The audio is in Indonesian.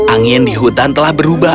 angin di hutan telah berubah